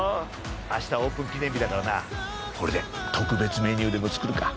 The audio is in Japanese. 明日はオープン記念日だからなこれで特別メニューでも作るか！